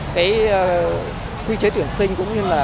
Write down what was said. cái quy chế tuyển sinh cũng như là